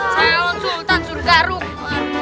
seon sultan sudah garuk